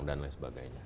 dan lain sebagainya